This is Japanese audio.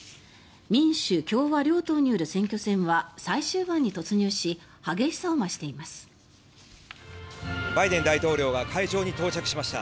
民主・共和両党による選挙戦は最終盤に突入し激しさを増しています。